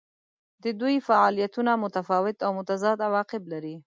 د دوی فعالیتونه متفاوت او متضاد عواقب لري.